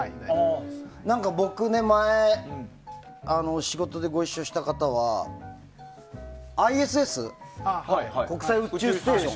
僕、前仕事でご一緒した方はＩＳＳ・国際宇宙ステーション。